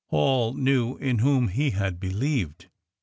... Paul ''knew in whom he had believed."